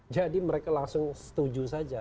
jadi mereka langsung setuju saja